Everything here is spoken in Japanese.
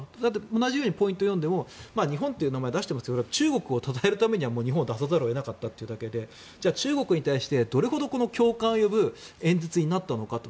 同じようにポイント４でも日本という名前を出していますが中国をたたえるためには日本を出さざるを得なかっただけでじゃあ中国に対してどれほど共感を呼ぶ演説になったのかと。